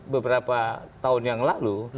beberapa tahun yang lalu